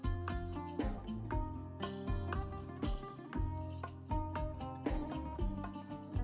diselenggarakan untuk anu anu yang harus di schaffen lahirkan